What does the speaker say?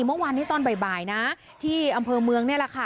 เมื่อวานนี้ตอนบ่ายนะที่อำเภอเมืองนี่แหละค่ะ